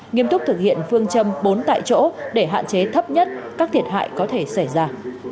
nghiêm túc thực hiện phương châm bốn tại chỗ để hạn chế thấp nhất các thiệt hại có thể xảy ra